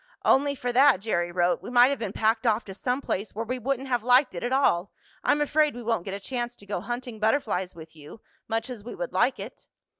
"Only for that," Jerry wrote, "we might have been packed off to some place where we wouldn't have liked it at all. I'm afraid we won't get a chance to go hunting butterflies with you, much as we would like it."